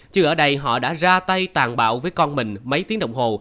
chứ ở đây họ đã ra tay tàn bạo với con mình mấy tiếng đồng hồ